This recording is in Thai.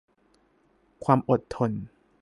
ความอดทน